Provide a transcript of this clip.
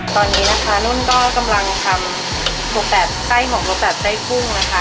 ตอนนี้นะคะนุ่นก็กำลังทำหมกแบบไส้หมกแบบไส้กุ้งนะคะ